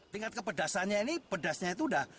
tingkat kepedasannya ini pedasnya itu udah